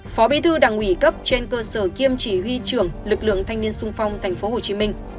phó bí thư đảng ủy cấp trên cơ sở kiêm chỉ huy trưởng lực lượng thanh niên sung phong tp hcm